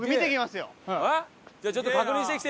じゃあちょっと確認してきてよ。